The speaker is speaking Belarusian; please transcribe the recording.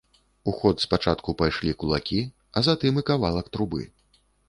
У ход спачатку пайшлі кулакі, а затым і кавалак трубы.